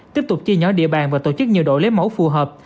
tiếp tục chia nhỏ địa bàn và tổ chức nhiều đội lấy mẫu phù hợp